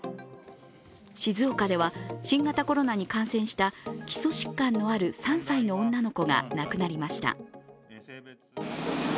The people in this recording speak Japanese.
静岡では新型コロナに感染した基礎疾患のある３歳の女の子が亡くなりました。